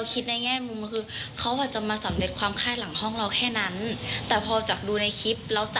คือจะออกจากห้องก็แบบ